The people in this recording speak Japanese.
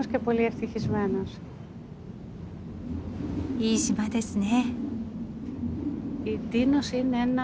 いい島ですね。